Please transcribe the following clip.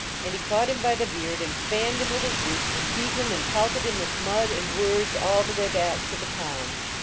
And he caught him by the beard and fanned him with his boots, and beat him and pelted him with mud and words all the way back to the kahn.